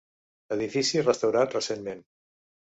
Edifici restaurat recentment.